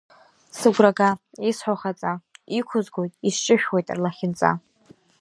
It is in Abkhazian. Сыгәра га, исҳәо хаҵа, иқәызгоит, исҷышәуеит рлахьынҵа…